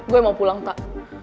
gue mau pulang tak